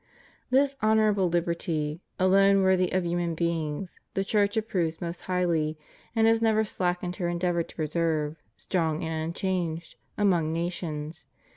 This honorable liberty, alone worthy of human beings^ the Church approves most highly and has never slackened her endeavor to preserve, strong and unchanged, among nations.